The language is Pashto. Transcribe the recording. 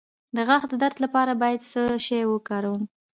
د غاښ د درد لپاره باید څه شی وکاروم؟